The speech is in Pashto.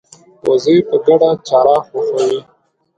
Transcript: وزې په ګډه چرا خوښوي